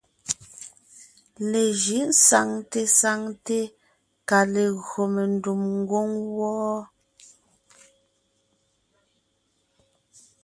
Lejʉ̌ʼ saŋte saŋte kà légÿo mendùm ngwóŋ wɔ́ɔ.